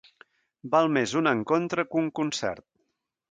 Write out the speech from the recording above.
Val més un encontre que un concert.